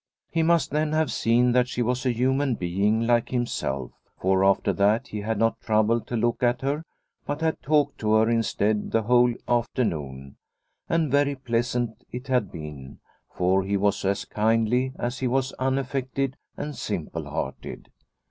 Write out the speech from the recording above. He must then have seen that she was a human being like himself, for after that he had not troubled to look at her, but had talked to her instead the whole afternoon ; and very pleasant it had been, for he was as kindly as he was unaffected and simple hearted.